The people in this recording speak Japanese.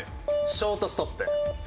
ショートストップ。